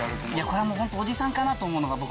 これはもうホントおじさんかなと思うのが僕。